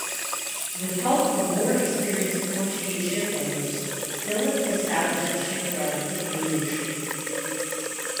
With help from more experienced Portuguese shipbuilders, Philip established a shipyard in Bruges.